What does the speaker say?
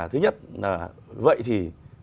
thứ nhất là vậy thì